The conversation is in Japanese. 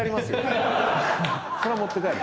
それは持って帰る？